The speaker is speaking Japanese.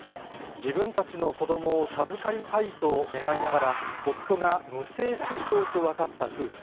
自分たちの子どもを授かりたいと願いながら、夫が無精子症と分かった夫婦。